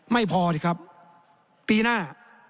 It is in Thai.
ไม่พอสิครับปีหน้า